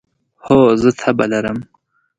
هو، زه تبه لرم